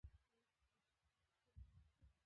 د هرات په کشک کې د تیلو نښې شته.